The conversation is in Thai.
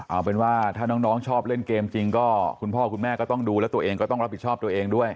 เอาเป็นว่าถ้าน้องชอบเล่นเกมจริงก็คุณพ่อคุณแม่ก็ต้องดูแล้วตัวเองก็ต้องรับผิดชอบตัวเองด้วย